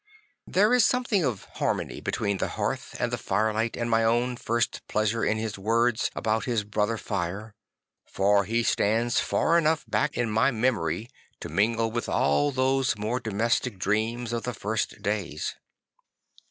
There is something of harmony between the hearth and the firelight and my own first pleasure in his words about his brother fire; for he stands far enough back in my memory to mingle with all 'Ihe Problem of St. Francis 17 those more domestic dreams of the first days.